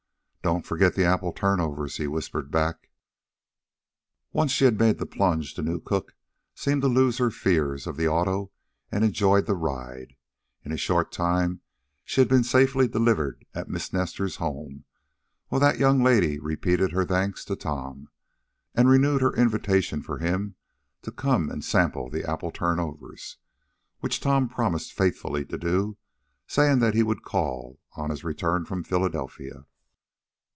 "Don't forget the apple turnovers," he whispered back. Once she had made the plunge, the new cook seemed to lose her fears of the auto, and enjoyed the ride. In a short time she had been safely delivered at Miss Nestor's home, while that young lady repeated her thanks to Tom, and renewed her invitation for him to come and sample the apple turnovers, which Tom promised faithfully to do, saying he would call on his return from Philadelphia.